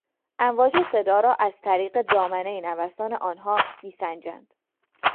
امواج صدا را از طریق دامنهی نوسان آنها میسنجند.